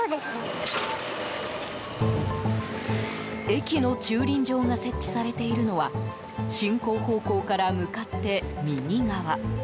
駅の駐輪場が設置されているのは進行方向から向かって右側。